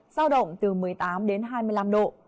giao động từ một mươi tám đến hai mươi năm độ